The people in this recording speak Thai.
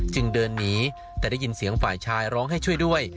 จึงเดินหนีแต่ได้ยินเสียงฝ่ายชายร้องให้ช่วยด้วย